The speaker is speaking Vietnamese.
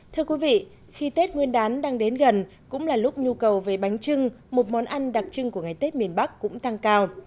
thưa quý vị khi tết nguyên đán đang đến gần cũng là lúc nhu cầu về bánh trưng một món ăn đặc trưng của ngày tết miền bắc cũng tăng cao